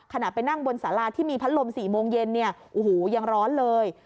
ขณะไปนั่งบนสาราที่มีพัดลม๔โมงเย็นเนี่ยโอ้โหยังร้อนเลย